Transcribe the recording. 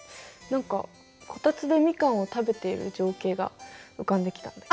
何かこたつでみかんを食べている情景が浮かんできたんだけど。